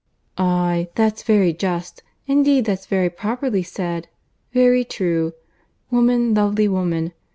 "Aye, that's very just, indeed, that's very properly said. Very true. 'Woman, lovely woman.